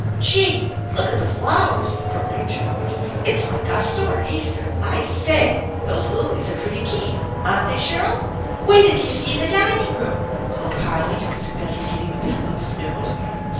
"Gee! Look at the flowers!'* broke in George. "Itffl like our store at Easter ! I say ! Those lilies are pretty keen, aren't they, Shirl?" "Wait'll you see the dining room!" called Harley, who was investigating with the help of his nose.